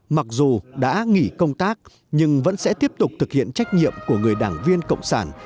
mặc dù đã nghỉ công tác nhưng vẫn sẽ tiếp tục thực hiện trách nhiệm của người đảng viên cộng sản